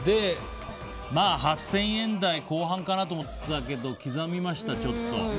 ８０００円台後半かなと思ったけどちょっと刻みました。